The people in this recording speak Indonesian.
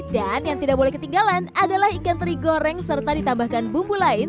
dan yang tidak boleh ketinggalan adalah ikan teri goreng serta ditambahkan bumbu lain